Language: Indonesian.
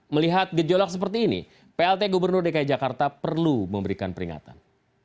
melihat gejolak seperti ini plt gubernur dki jakarta perlu memberikan peringatan